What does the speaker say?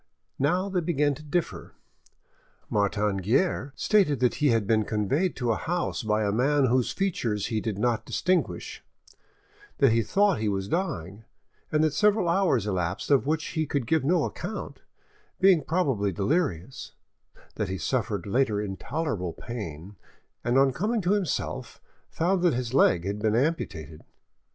Now, they began to differ. Martin Guerre stated that he had been conveyed to a house by a man whose features he did not distinguish, that he thought he was dying, and that several hours elapsed of which he could give no account, being probably delirious; that he suffered later intolerable pain, and on coming to himself, found that his leg had been amputated.